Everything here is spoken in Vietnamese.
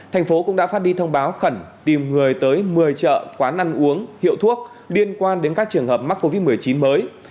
thành phố cũng đã phát đi thông báo khẩn tìm người tới một mươi chợ quán ăn uống hiệu thuốc liên quan đến các trường hợp mắc covid một mươi chín mới